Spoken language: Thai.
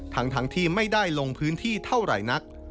ทั้งที่ไม่ได้ลงพื้นที่เท่าไหร่นัก